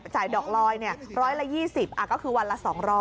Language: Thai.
จ่ายดอกร้อยร้อยละ๒๐ก็คือวันละ๒๐๐